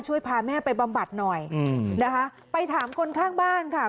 ช่วยพาแม่ไปบำบัดหน่อยอืมนะคะไปถามคนข้างบ้านค่ะ